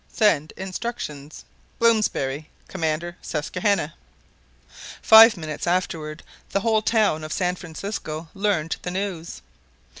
Send instructions.—BLOMSBERRY, Commander Susquehanna. Five minutes afterward the whole town of San Francisco learned the news.